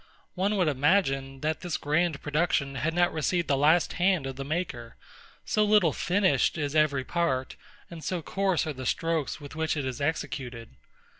One would imagine, that this grand production had not received the last hand of the maker; so little finished is every part, and so coarse are the strokes with which it is executed.